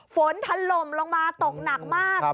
ฝนถล่มลงมาตกหนักมาก